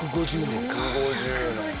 １５０年。